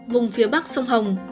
vùng phía bắc sông hồng